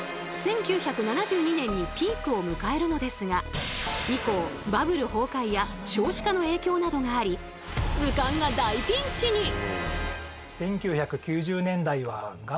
１９７２年にピークを迎えるのですが以降バブル崩壊や少子化の影響などがあり図鑑が大ピンチに！